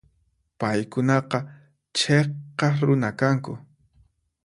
Paykunaqa chhiqaq runa kanku.